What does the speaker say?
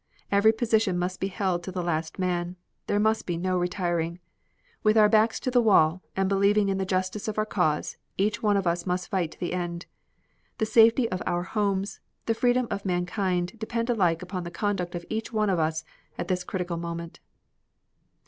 Every position must be held to the last man. There must be no retiring. With our backs to the wall and believing in the justice of our cause each one of us must fight to the end. The safety of our homes, and the freedom of mankind depend alike upon the conduct of each one of us at this critical moment.